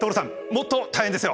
もっと大変ですよ。